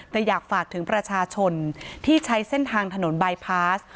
แต่อยากฝากถึงประชาชนที่ใช้เส้นทางถนนบายพาส